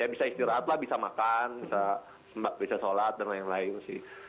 ya bisa istirahat lah bisa makan bisa sholat dan lain lain sih